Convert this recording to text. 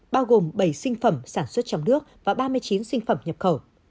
bao gồm bảy sinh phẩm sản xuất trong nước và ba mươi chín sinh phẩm nhập khẩu